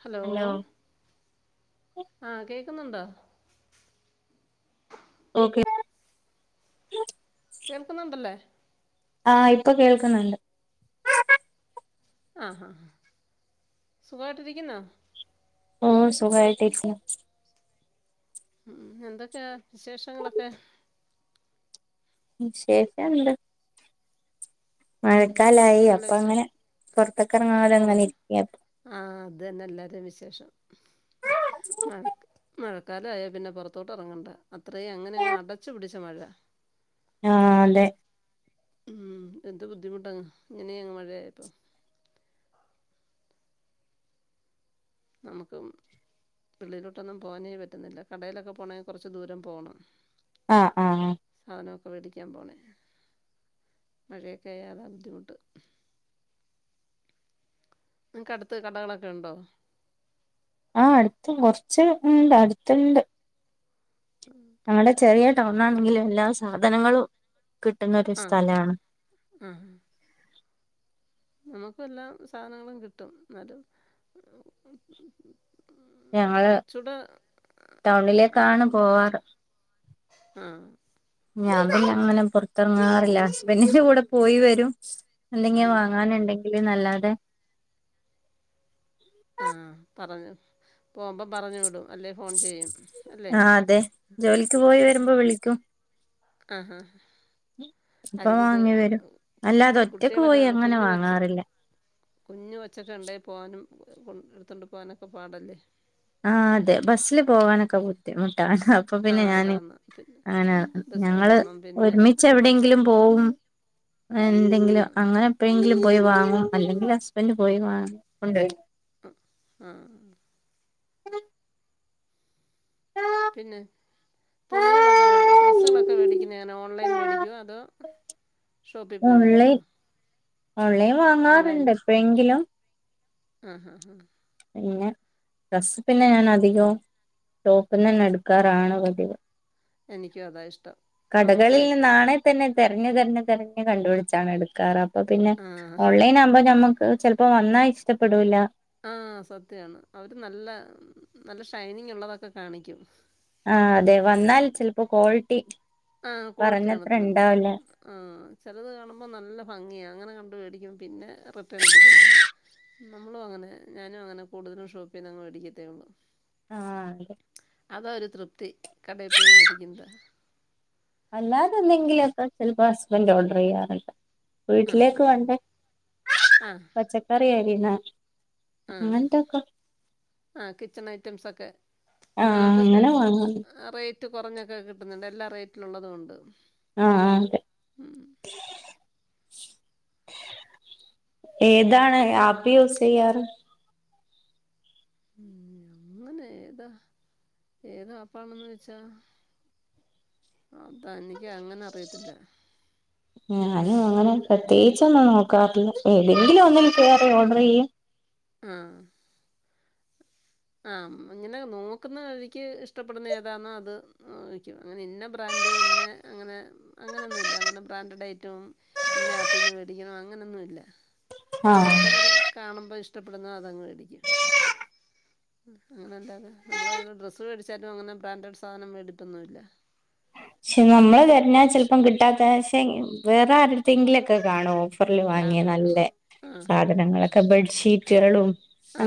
Hello ആഹ് കേക്കുന്നുണ്ടോ? Okay കേൾക്കുന്നുണ്ടല്ലേ? ആഹ് ഇപ്പോ കേൾക്കുന്നുണ്ട് ആ ഹാ ഹാ സുഖവായിട്ടിരിക്കുന്നോ? ഓ സുഖമായിട്ടിരിക്കുന്നു. ഉം എന്തൊക്കെയാ വിശേഷങ്ങളൊക്കെ? വിശേഷംമിണ്ട് മഴക്കാലായി നല്ല അപ്പൊ അങ്ങനെ വിശേഷം പൊറത്ത്ക്ക് എറങ്ങാതെ അങ്ങനെ ഇരിക്കാപ്പൊ ആഹ് അത് തന്നെ എല്ലാരേം വിശേഷം മഴ മഴക്കാലായാ പിന്നെ പുറത്തോട്ട് എറങ്ങണ്ട അത്രയും അങ്ങനെയങ്ങ് അടച്ചു പിടിച്ച മഴ ആഹ് അതെ ഉം എന്ത് ബുദ്ധിമുട്ടങ്ങ് ഇങ്ങനെയങ്ങ് മഴയായപ്പോ നമുക്കും വെളിയിലോട്ടൊന്നും പോവാനേ പറ്റുന്നില്ല കടയിലൊക്കെ പോണെങ്കി കൊറച്ച് ദൂരം പോണം ആഹ് ആഹ് സാധനവൊക്കെ വേടിക്കാൻ പോണേ? മഴയൊക്കൊ ആയാ അതാ ബുദ്ധിമുട്ട് നിങ്ങക്ക് അടുത്ത് കടകളൊക്കെയുണ്ടോ? ആഹ് അടുത്ത് കൊറച്ച് ഉണ്ട് അടുത്ത്ണ്ട് ആഹ് ഞങ്ങടെ ചെറിയ ടൗണാണെങ്കിലും എല്ലാ സാധനങ്ങളും കിട്ടുന്നൊരു ആ സ്ഥലാണ് ആഹ് നമുക്കും എല്ലാ സാധനങ്ങളും കിട്ടും ഇന്നാലും പക്ഷേ ഞങ്ങള് ടൗണിലേക്കാണ് പോവാറ് ആഹ് ഞാൻ പിന്നങ്ങനെ പൊറത്തെറങ്ങാറില്ല ഹസ്ബന്റിന്റെ കൂടെ പോയി വരും എന്തെങ്കി ആഹ് ആഹ് വാങ്ങാന്ണ്ടെങ്കില്ന്നല്ലാതെ ആഹ് പറഞ്ഞു പോവുമ്പം പറഞ്ഞു വിടും അല്ലേ ഫോൺ ചെയ്യും അല്ലേ? ആഹ് അതെ ആഹ് ജോലിക്ക് പോയി അതെ വരുമ്പോ വിളിക്കും ആഹ് ആഹ് ഇപ്പൊ വാങ്ങി വരും അല്ലാതെ [unintelligible] ഒറ്റക്ക് പോയി കുട്ടികളൊക്കെണ്ടോ? അങ്ങനെ കുഞ്ഞു കൊച്ച് വാങ്ങാറില്ല കുഞ്ഞ് കൊച്ചൊക്കെ ഇണ്ടേ പോകാനും കൊ എടുത്തോണ്ട് പോകാനൊക്കെ പാടല്ലേ? ആഹ് അതെ ബസ്സില് പോകാനൊക്കെ ബുദ്ധിമുട്ടാ അതാ അപ്പൊ പിന്നെ ആഹ് ഞാന് അതാണ്. പിന്നെ അങ്ങനെ ബസ്സിൽ ഞങ്ങള് പോണം. പിന്നെ ഒരുമിച്ചെവിടെയെങ്കിലും പോവും എന്തെങ്കിലും അങ്ങനെ എപ്പഴെങ്കിലും പോയി വാങ്ങും അല്ലെങ്കി ഹസ്ബന്റ് പോയി വാങ്ങി കൊണ്ടോരും ആഹ് [inaudible] പിന്നെ തുണികളൊക്കെ വേടിക്കു ഡ്രസ്സുകളൊക്കെ വേടിക്കുന്നെ എങ്ങനെ ഓൺലൈൻ വേടിക്കോ അതോ? ഷോപ്പിൽ പോയി ഓൺലൈൻ മേടിക്കുവോ? ഓൺലൈൻ ഓൺലൈൻ വാങ്ങാറ്ണ്ട് എപ്പഴെങ്കിലും ആഹ് ഹാ ഹാ പിന്നെ ഡ്രസ്സ് പിന്നെ ഞൻ അധികവും ഷോപ്പ്ന്നന്നെ എടുക്കാറാണ് പതിവ് എനിക്കും അതായിഷ്ടം കടകളിൽ നിന്നാണെ തന്നെ തെരഞ്ഞു തെരഞ്ഞ് തെരഞ്ഞു കണ്ടുപിടിച്ചാണ് എടുക്കാറ് അപ്പൊ അപ്പൊ പിന്നെ ആഹ് ഓൺലൈനാവുമ്പം ഞമ്മക്ക് ചെലപ്പോ വന്നാ ഇഷ്ടപ്പെടൂല്ല ആഹ് സത്യാണ് അവര് നല്ല നല്ല ഷൈനിങ്ങുള്ളതൊക്കെ കാണിക്കും ആ അതെ വന്നാൽ ചെൽപ്പോ ക്വാളിറ്റി ആഹ് ക്വാളിറ്റി പറഞ്ഞത്ര കാണത്തില്ല ഒന്നും ഇണ്ടാവില്ല ആഹ് ചെലത് കാണുമ്പോ നല്ല ഭംഗിയാ അങ്ങനെ കണ്ട് മേടിക്കുമ്പോ പിന്നെ റിട്ടേൺ അടിക്കണം നമ്മളും അങ്ങനെ ഞാനുവങ്ങനെ കൂടുതലും ഷോപ്പിന്നങ്ങ് വേടിക്കത്തേയൊള്ളു ആഹ് അതെ അതാ ഒരു തൃപ്തി കടേ പോയി വേടിക്കുന്നത്. അല്ലാതെന്തെങ്കിലൊക്ക ചെൽപ്പോ ഹസ്ബന്റ് ഓർഡറെയ്യാറുണ്ട്. ആഹ് വീട്ടിലേക്ക് വേണ്ടെ ആഹ് ആഹ് പച്ചക്കറിയാ അരിയുന്നെ ആഹ് അങ്ങൻത്തൊക്ക ആഹ് കിച്ചൺ ഐറ്റംസൊക്കെ ആഹ് അതൊക്കെ അങ്ങനെ വാങ്ങാറുണ്ട് ആ റെയ് റ്റ് കൊറഞ്ഞൊക്കെ കിട്ടുന്നുണ്ട് എല്ലാ റേറ്റിലുള്ളതുണ്ട്. അആഹ് അതെ [inaudible] ഏതാണ് ആപ് യൂസെയ്യാറ്? ഉം അങ്ങനെ ഏതാ ഏതാപ്പാണെന്നോയ്ചാ അതാ എനിക്കങ്ങനെ അറിയത്തില്ല ഞാനും അങ്ങനെ പ്രത്യേയിച്ചൊന്നും നോക്കാറില്ല ഏതെങ്കിലും ഒന്നിൽ കേറി ഓഡറെയ്യും. ആഹ് ആഹ് ങ്ങനെ നോക്കുന്നവരിക്ക് ഇഷ്ടപ്പെടുന്ന ഏതാന്നൊ അത് വാങ്ങിക്കും. അങ്ങനെ ഇന്ന ബ്രാൻഡ് ഇന്ന അങ്ങനെ അങ്ങനൊന്നുല്ല അങ്ങനെ ബ്രാൻഡഡ് ഐറ്റം ഇന്ന ആപ്പിൽന്ന് വേടിക്കണം അങ്ങനൊന്നുല്ല. ആഹ് നമുക്കന്നേരം കാണുമ്പോ ഇഷ്ടപ്പെടുന്ന അതങ്ങ് വേടിക്കും. അങ്ങനെല്ലാതെ നമ്മളേത് ഡ്രസ് വേടിച്ചാലും അങ്ങനെ ബ്രാൻഡഡ് സാധനം [unintelligible] ന്നുല്ല പക്ഷെ നമ്മള് തെരഞ്ഞാ ചെലപ്പം കിട്ടാത്തെ പക്ഷെ വേറെ ആരുടെ ത്തെങ്കിലോക്കെ കാണു ഫറില് വാങ്ങിയ കാണും നല്ല കാണും ആഹ് സാധനങ്ങളൊക്കെ ബെഡ്ഷീറ്റുകളും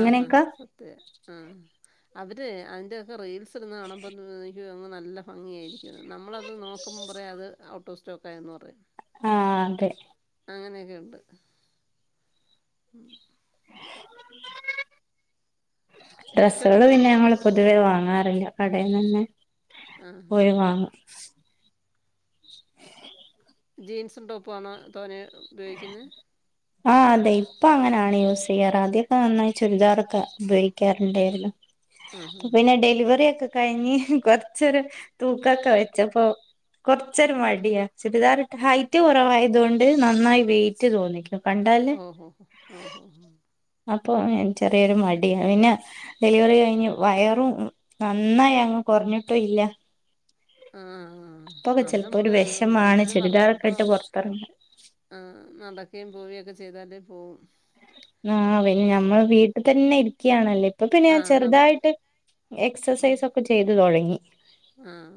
ആഹ സത്യ ആഹ് അവര് അതിന്റെക്കെ റീൽസ് ഇടുന്ന കാണുമ്പോ [unintelligible] എനിക്ക് തോന്ന് നല്ല ഭംഗിയായിരിക്കുന്ന്. നമ്മളത് നോക്കുമ്പം പറയു അത് ഔട്ട് ഓഫ് സ്റ്റോക്ക് ആയെന്ന് പറയും. ആഹ് അതെ. അങ്ങനെയൊക്കെ ഉണ്ട് ഉം. ഏറ്റവും ഡ്രസ്സുകള് പിന്നെ ഞങ്ങള് പൊതുവേ വാങ്ങാറില്ല കടേന്നെന്നെ. ആഹ്. ആഹ്. ജീൻസും ടോപ്പു ആണോ തോനെ ഉപയോഗിക്കുന്നെ? ആഹ് അതെ ഇപ്പ അങ്ങനാണ് യൂസ് ചെയ്യാറ് ആദ്യൊക്കെ നന്നായി ചുരിദാറൊക്കെ ഉപയോഗിക്കാറുണ്ടായിരുന്നു. ആഹാ. അപ്പ പിന്നെ ഡെലിവറി ഒക്കെ കഴിഞ്ഞ് കൊറച്ചൊരു തൂക്കൊക്കെ വെച്ചപ്പോ കൊറച്ചൊരു മടിയാ ചുരിദാറിട്ട് ഹൈറ്റ് കുറവായത് കൊണ്ട് നന്നായി വെയിറ്റ് തോന്നിക്കും. കണ്ടാല് ഓ ഹോ ഹോ ഓ ഹോ ഹോ. അപ്പൊ ചെറിയൊരു മടിയാ പിന്നെ ഡെലിവറി കഴിഞ്ഞ് വയറും നന്നായി അങ്ങ് കൊറഞ്ഞിട്ടും ഇല്ല. ആഹ് അപ്പൊക്കെ ആഹ് അത് ചെലപ്പോ ഒരു നമ്മള് വിഷമാണ് എന്തെലും ചുരിദാറൊക്കെ വർക്കഔട്ടോ. ഇട്ട് പുറത്തിറങ്ങാൻ ആഹ് നടക്കേം പോവയൊക്കെ ചെയ്താലേ പോവും. ആഹ് പിന്നെ ഞമ്മൾ വീട്ട് തന്നെ ഇരിക്ക്യാണല്ലെ- ഇപ്പൊ പിന്നെ ആ ഞാൻ നടക്ക് ചെറുതായിട്ട് എക്സർസൈസ് ഒക്കെ ചെയ്തു തൊടങ്ങി. ആഹ്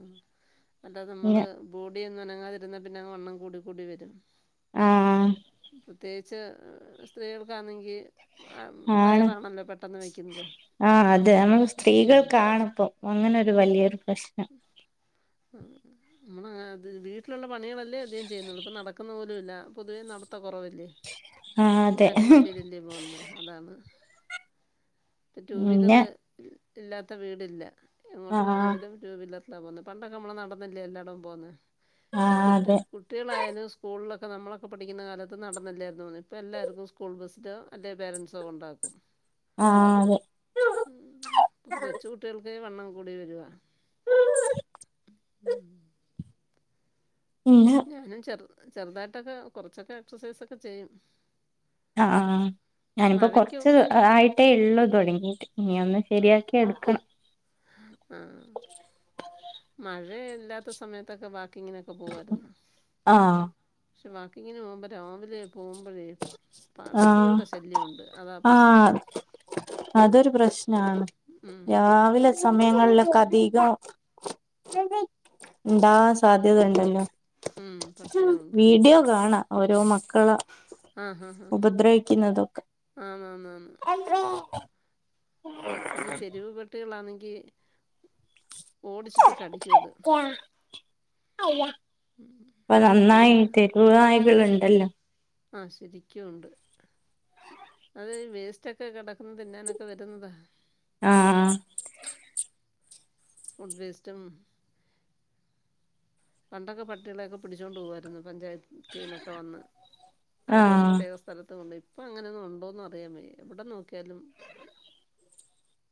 അത് ന്താ നമ്മള് ബോടിയൊന്നു അനങ്ങാതിരുന്നാ പിന്നെ അങ്ങ് വണ്ണം കൂടി കൂടി വെരും. ആഹ് പ്രത്യേകിച്ച് സ്ത്രീകൾക്കാന്നെങ്കി ആണ് ആഹ് അത് നമ്മൾ ഉം സ്ത്രീകൾക്കാണ്‌പ്പം. അങ്ങനൊരു വല്യൊരു പ്രശ്നം. ഉം. ന്നമ്മളത് വീട്ടിലുള്ള പണികളല്ലേ അധികം ചെയ്യുന്നത് ഇപ്പൊ നടക്കുന്ന് പോലും ഇല്ല. പൊതുവേ നടത്തം കൊറവല്ലേ. ആഹ് അതെ എല്ലാരും വണ്ടിയിലല്ലേ പോവ്ന്നത് അതാന്ന്. റ്റു പിന്നെ വീലറ് ഇല്ലാത്ത വീടില്ല എങ്ങോട്ട് ആഹ് പോണങ്കിലും. ടൂ വീലർലാ പോകുന്നെ. പണ്ടൊക്കെ നമ്മള് എല്ലാടോം പോകുന്നെ ഇപ്പൊ ആഹ് കുട്ടി അതെ കുട്ടികളായാലും സ്കൂളിലൊക്കെ നമ്മളൊക്കെ പഠിക്കുന്ന കാലത്ത് നടന്നല്ലെർന്നോ ഇപ്പോ എല്ലാര്തും. സ്കൂൾ ബസ്സിലോ അല്ലെ പേരൻസോ കൊണ്ടാക്കും. ആഹ് അതെ. ഇപ്പം കൊച് കുട്ട്യോൾകേ വണ്ണം കൂടി വരുവ. ഉം. മ്ന്നെ. ഞാനും ചെറു ചെറുതായിട്ടൊക്കെ കുറച്ചൊക്കെ എക്സസൈസൊക്കെ ചെയ്യും. ആ ആ ആ ഞാനിപ്പോ മഴയ്ക്കും കൊറച്ച് ആയിട്ടേ എള്ളു തുടങ്ങിട്ട്. ഇഞ്ഞി ഒന്ന് ആഹ് ശരിയാക്കി എടുക്കണം. ആഹ് മഴ ഇല്ലാത്ത സമയത്തൊക്കെ വാക്കിങ്ങിനൊക്കെ പോവായിരുന്നു. ആഹ് വാക്കിങ്ങിന് പോകുമ്പോ രാവിലെ പോവുമ്പഴേ ആഹ് പട്ടികളുടെ ശല്യമുണ്ട് അതാ പ്രശ്നം. ആഹ് അതൊരു പ്രശ്നആണ്. ഉം രാവിലെ സമയങ്ങളിലൊക്കെ അധികം ഇണ്ടാവാൻ സാധ്യത ഇണ്ടല്ലോ. ഉം പട്ടികളുണ്ട്. വീഡിയോ കാണ ഓരോ മക്കളെ ആഹ് ഉപദ്രവിക്കുന്നതൊക്കെ. ആന്ന് ന്ന ന്ന് [inaudible] അത് ഈ തെരുവ് പട്ടികളാന്നെങ്കി ഓടിച്ചിട്ട് കടിക്യുവത്. അപ്പ നന്നായി അതുകൊണ്ട് തെരുനായികളുണ്ടല്ലോ ആഹ് ശരിക്കുണ്ട് അത് വേസ്റ്റ്ക്കെ കിടക്കുന്നത് തിന്നാനൊക്കെ വരുന്നതാ ആഹ് ഫുഡ് വേസ്റ്റും പണ്ടൊക്കെ പട്ടികളെയൊക്കെ പിടിച്ചുകൊണ്ട് പോകുമായിരുന്നു പഞ്ചായത്തിനൊക്കെ വന്ന് അവർ ആഹ് പ്രത്യേകസ് - സ്ഥലത്ത് കൊണ്ട് ഇപ്പൊ അങ്ങനെ ഒന്ന് ഉണ്ടോന്നറിയാമേ എവിടെ നോക്കിയാലും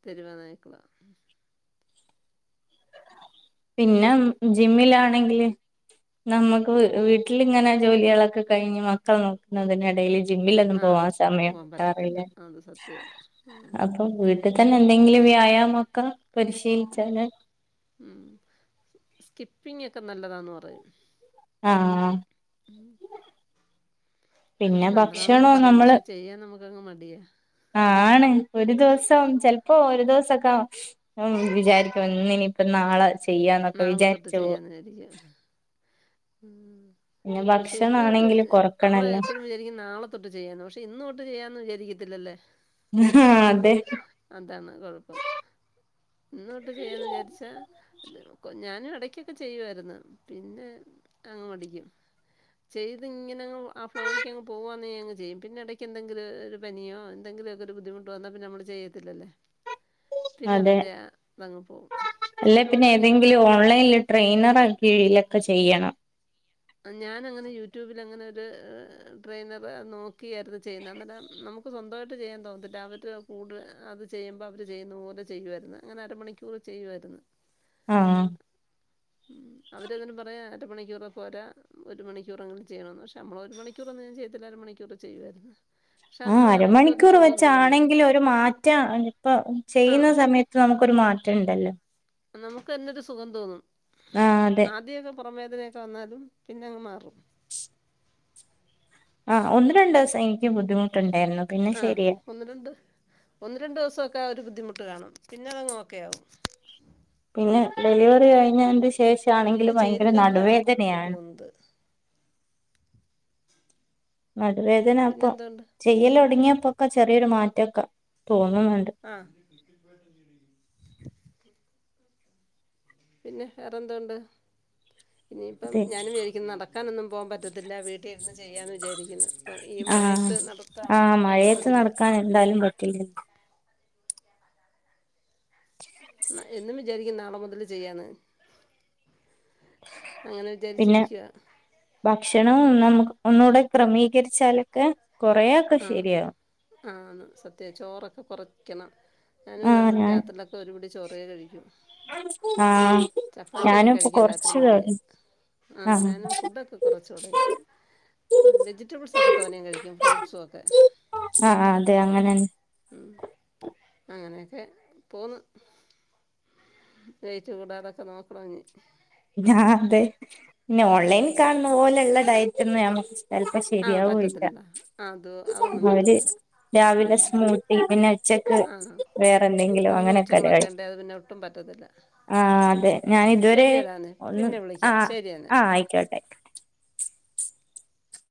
തെരുവു നായ്ക്കള പിന്നെ ജിമ്മിലാണെങ്കില് നമുക്ക് വീട്ടിലിങ്ങനെ ജോലിയേ ളൊക്കെ കഴിഞ്ഞ് മക്കളെ നോക്കുന്നതിനിടയിൽ ജിമ്മിലൊന്നും ആ പോവാ സമയം പോകാൻ കിട്ടാറില്ല പറ്റത്തില്ല അത് സത്യമാണ് അപ്പൊ വീട്ടിത്തന്നെ എന്തെങ്കിലും വ്യായാമൊക്കെ പരിശീലിച്ചാല് ഉം സ്കിപ്പിംഗ് ഒക്കെ നല്ലതാന്ന് പറയും ആഹ് ഉം. അങ്ങനെ പിന്നെ നല്ലതാന്നൊക്കെ ഭക്ഷണവും പറയാം നമ്മള് പക്ഷെ ചെയ്യാൻ നമുക്കങ്ങ് മടിയാ ആണ് ഒരു ദിവസം ചിലപ്പോ ഒരു ദിവസൊക്കെ ഉം വിചാരിക്കും ഇന്നിനിയിപ്പ നാളെ ചെയ്യാ എന്നൊക്കെ വിചാരിച്ചോളും ശരിയാ ഉം പിന്നെ പക്ഷെ ഇന്ന്തൊട്ട് ഭക്ഷണാണെങ്കില് നമ്മള് കൊറക്കണല്ലോ എപ്പളും വിചാരിക്കും നാളെ തൊട്ട് ചെയ്യാന്ന് പക്ഷെ ഇന്ന് തൊട്ട് ചെയ്യാംന്ന് വിചാരി ത്തില്ലല്ലാ അതെ അതാണ് കൊഴപ്പം ഇന്ന് തൊട്ട് ചെയ്യാന്ന് വിചാരിച്ചാ എന്തേലൊക്കെ ഞാനും എടക്കൊക്കെ ചെയ്യുവാരുന്നു പിന്നെ അങ്ങ് മടിക്കും ചെയ്ത് ഇങ്ങനെ ആ ഫ്ലോയ്ക്കങ്ങ് പോവാന്നെ അങ്ങ് ചെയ്യും പിന്നെ എടയ്ക്ക് എന്തെങ്കിലും ഒര് പനിയോ എന്തെങ്കിലൊക്കൊരു ബുദ്ധിമുട്ട് വന്നാ പിന്നെ നമ്മള് ചെയ്യത്തില്ലല്ലാ അതെ പിന്നതിന്റെയാ ഇതങ്ങ് പോവും അല്ലെ പിന്നെ ചെയ്തുകൊണ്ടങ്ങിരുന്നാ ഏതെങ്കിലും ഓൺലൈനില് ട്രെയിനറക്കെലെക്കെ ചെയ്യണം ആഹ് ഞാനങ്ങനെ യൂട്യൂബിലങ്ങനെ ഒരു ട്രെയിനറെ നോക്കിയാരുന്നു ചെയ്യുന്നത് അന്നേരം നമു ക്ക് സ്വന്തവായിട്ട് ചെയ്യാൻ തോന്നത്തില്ല അവർടെ കൂടെ അത് ചെയ്യുമ്പം അവര് ചെയ്യുന്ന പോലെ ചെയ്യുവാരുന്നു അങ്ങനെ അരമണിക്കൂറ് ചെയ്യുവാര്ന്ന് ആഹ് ഉം അവരങ്ങനെ പറയാ അരമണിക്കൂറ് പോരാ ഒരു മണിക്കൂറെങ്കിലും ചെയ്യണമന്ന് പക്ഷേ നമ്മളൊരു മണിക്കൂറൊന്നും ഞാൻ ചെയ്യത്തില്ല അര മണിക്കൂറ് ചെയ്യുവാരുന്നു ആഹ് അരമണിക്കൂർ തോന്നുമായിരുന്നു വെച്ചാണെങ്കിലും ഒരു മാറ്റം ഇപ്പൊ ആ ചെയ്യുന്ന സമയ ത്ത് നമുക്കൊരു മാറ്റണ്ടല്ലോ ആഹ് നമുക്ക് തന്നൊരു സുഖം തോന്നും ആഹ് അതെ ആദ്യമൊക്കെ പൊറം വേദനയൊക്കെ വന്നാലും പിന്നങ്ങ് മാറും സ് ആഹ് ഒന്ന് രണ്ടൂസം എനിക്കും ബുദ്ധിമുട്ടുണ്ടാരുന്നു ആഹ് ഒന്ന് രണ്ട് ഒന്ന് രണ്ട് ദിവസൊക്കെ ആ ഒരു ബുദ്ധിമുട്ട് കാണും പിന്നതങ്ങ് ഒക്കെയാവും പിന്നെ ഡെലിവറി കഴിഞ്ഞതിന്റെ ശേഷാണെങ്കില് പിന്നെ ഭയങ്കര ചെയ്തില്ലങ്കിലാ നമുക്ക് ബുദ്ധിമുട്ട് നടുവേദനയാണ് തോന്നുന്നത് നടുവേദന അപ്പം പിന്നെന്തുണ്ട് ചെയ്യലൊടങ്ങിയപ്പോക്കെ ചെറിയൊരു മാറ്റോക്കെ തോന്നുന്നുണ്ട് ആഹ് പിന്നെ വേറെന്തോണ്ട് ഇനിയിപ്പം അതെ ഞാനും വിചാരിക്കുന്നു നടക്കാനൊന്നും പോകാൻ പറ്റത്തില്ല വീട്ടിലിരുന്ന് ചെയ്യാന്ന് വിചാരിക്കുന്നു ഇപ്പം ഈ മഴയ ആഹ് ത്ത് നടത്താം ആഹ് മഴയത്ത് നടക്കാൻ എന്തായാലും പറ്റില്ല ആഹ് എന്നും വിചാരിക്കും നാളെ മുതല് ചെയ്യാന്ന് അങ്ങനെ പിന്നെ വിചാരിച്ചിരിക്ക്വാ ഭക്ഷണം നമ്മക്ക് ഒന്നുകൂടെ ക്രമീകരിച്ചാലൊക്കെ കൊറേ ആഹ് ആന്ന് സത്യാ ചോറൊക്കെ കൊറയ്ക്കണം ഞാനും അതുകൊണ്ട് ആഹ് ഇപ്പം ഞാൻ രാത്രില ക്കെ ഒരുപിടി ചോറേ കഴിക്കു ആഹ് ചപ്പാത്തിയൊക്കെ ഞാനിപ്പോ കഴിക്കാൻ രാത്രി കൊറച്ച് മടിയാ ആഹ് ഞാനും ഫുഡൊക്കെ കൊറച്ച് തൊടങ്ങി ഉം വെജിറ്റബിൾസക്കെ തോനേ കഴിക്കും ഫ്രൂട്ട്സുവൊക്കെ ആഹ് ആഹ് അതെ അങ്ങനന്നെ ഉം അങ്ങനെയൊക്കെ പോന്ന് വെയ്റ്റ് കൂടാതൊക്കെ നോക്കണം ഇനി ഞാതെ ഇനി ഓൺലൈനി കാണുന്ന പോലെയൊള്ള ഡയറ്റൊന്നും ഞമ്മക്ക് ചെലപ്പൊ ആ ശെരിയാവേ ഇല്ല പറ്റത്തില്ല ആ, അത് അതൊന്നും അവര് പറ്റത്തില്ല രാവിലെ ഉം സ്മൂത്തി പിന്നെ ഉച്ചക്ക് ആ വേറെ എന്തെങ്കിലും കുഞ്ഞു അങ്ങനെയൊക്കെ അല്ലെ കൊച്ചുങ്ങളൊക്കെ കഴി ഉണ്ട് അത് പിന്നെ ഒട്ടും പറ്റത്തില്ല ആഹ് അതെ ഞാൻ ഇതുവരേ ശരിയെടാ എന്നാൽ ഒന്ന് പിന്നെ വിളിക്കാം ആഹ് ശരി എന്നാൽ ആഹ് ആയിക്കോട്ടെ